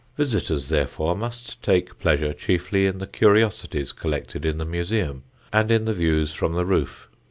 Visitors, therefore, must take pleasure chiefly in the curiosities collected in the museum and in the views from the roof.